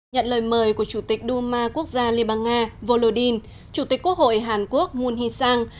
nhận lời mời của chủ tịch đu ma quốc gia liên bang nga volodin chủ tịch quốc hội hàn quốc moon hee sang